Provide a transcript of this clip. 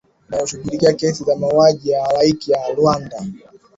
inayoshughulikia kesi za mauaji halaiki ya rwanda